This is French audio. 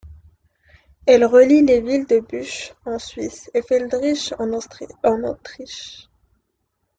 Elle relie les villes de Buchs en Suisse et Feldkirch en Autriche.